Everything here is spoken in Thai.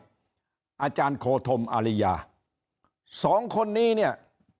อาจารย์โคธมอาริยาสองคนนี้เนี่ย